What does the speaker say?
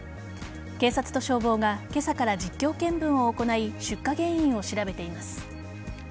警察と消防が今朝から実況見分を行い出火原因を調べています。